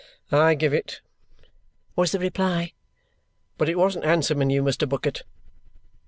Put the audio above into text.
"I give it," was the reply. "But it wasn't handsome in you, Mr. Bucket."